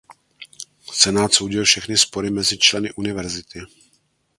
Senát soudil všechny spory mezi členy univerzity.